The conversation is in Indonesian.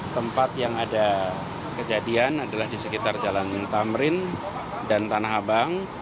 tempat yang ada kejadian adalah di sekitar jalan tamrin dan tanah abang